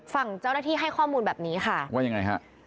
ฝั่งเจ้าหน้าที่ให้ข้อมูลแบบนี้ค่ะว่ายังไงฮะ